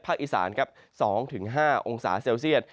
ภาคอีสาน๒๕องศาเซลเซียด